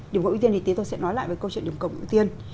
điểm cộng ưu tiên thì tí tôi sẽ nói lại về câu chuyện điểm cộng ưu tiên